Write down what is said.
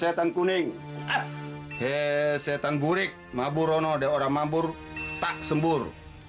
setan kudus hei setan burik maburono deoram mabur tak sembur